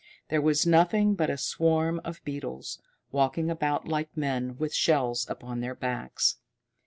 There was nothing but a swarm of beetles, walking about like men with shells upon their backs.